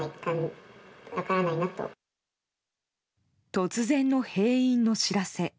突然の閉院の知らせ。